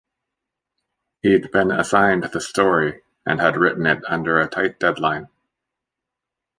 He'd been assigned the story and had written it under a tight deadline.